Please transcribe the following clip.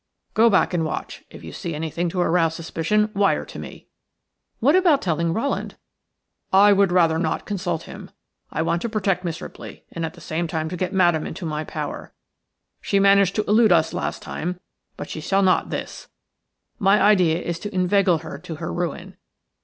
"Go back and watch. If you see anything to arouse suspicion, wire to me." "What about telling Rowland?" "I would rather not consult him. I want to protect Miss Ripley, and at the same time to get Madame into my power. She managed to elude us last time, but she shall not this. My idea is to inveigle her to her ruin.